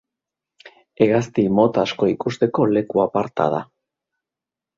Hegazti mota asko ikusteko leku aparta da.